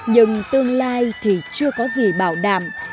nhưng tương lai thì chưa có gì bảo đảm